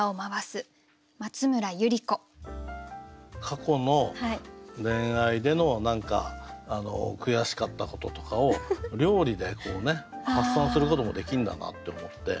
過去の恋愛での何か悔しかったこととかを料理で発散することもできるんだなって思って。